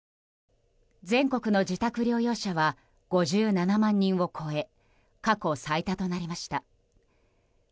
全国の自宅療養者は５７万人を超え過去最多となりました。